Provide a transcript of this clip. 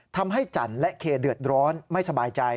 ทำให้จันทร์และเคเดือดร้อนไม่สบายใจ